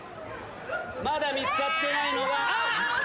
まだ見つかってないのは。